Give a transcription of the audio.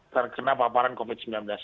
terkena paparan covid sembilan belas